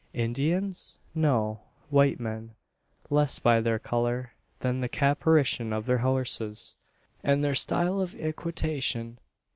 Indians? No. White men less by their colour, than the caparison of their horses, and their style of equitation.